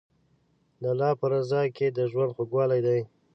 د الله په رضا کې د ژوند خوږوالی دی.